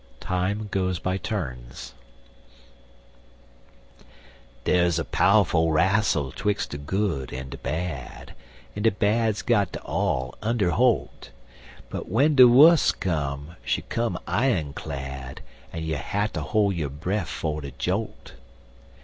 TIME GOES BY TURNS DAR'S a pow'ful rassle 'twix de Good en de Bad, En de Bad's got de all under holt; En w'en de wuss come, she come i'on clad, En you hatter hol' yo' bref for de jolt.